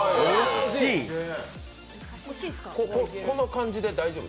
この感じで大丈夫？